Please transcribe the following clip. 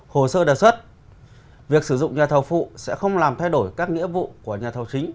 hồ sơ đề xuất việc sử dụng nhà thầu phụ sẽ không làm thay đổi các nghĩa vụ của nhà thầu chính